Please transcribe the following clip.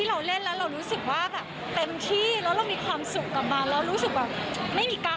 เราเล่นแล้วเรารู้สึกว่าแบบเต็มที่แล้วเรามีความสุขกับมันเรารู้สึกแบบไม่มีกั๊ก